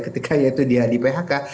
ketika yaitu dia di phk